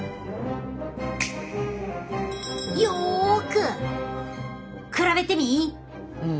よく比べてみい！